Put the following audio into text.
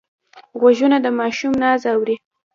غوږونه د ماشوم ناز اوري